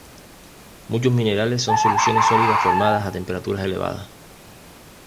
Muchos minerales son soluciones sólidas formadas a temperaturas elevadas.